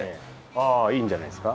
ああいいんじゃないですか？